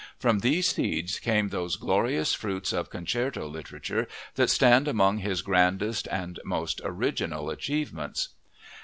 From these seeds came those glorious fruits of concerto literature that stand among his grandest and most original achievements.